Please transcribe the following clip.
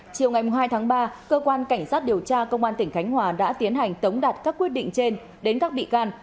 chiều ngày hai tháng ba cơ quan cảnh sát điều tra công an tỉnh khánh hòa đã tiến hành tống đạt các quyết định trên đến các bị can